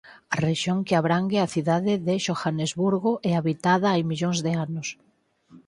A rexión que abrangue a cidade de Xohanesburgo é habitada hai millóns de anos.